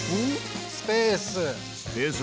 スペース。